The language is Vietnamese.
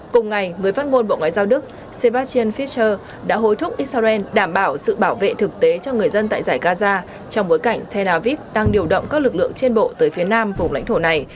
cùng ngày người phát ngôn bộ ngoại giao đức sebastian fischer đã hối thúc israel đảm bảo sự bảo vệ thực tế cho người dân tại giải gaza trong bối cảnh tel aviv đang điều động các lực lượng trên bộ tới phía nam vùng lãnh thổ này